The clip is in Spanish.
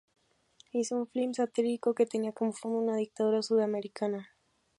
Hizo un film satírico que tenía como fondo a una dictadura sudamericana.